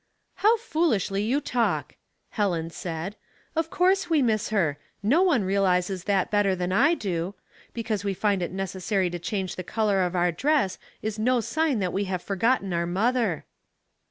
" How foolishly you talk," Helen said. *' Of course we miss her ; no one realizes that better than I do. Because we find it necessary to change the color of our dress, is no sign that we have forgotten our mother."